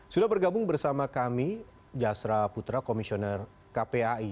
sudah bergabung bersama kami jasra putra komisioner kpai